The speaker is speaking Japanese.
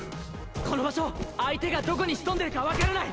この場所相手がどこに潜んでるか分からない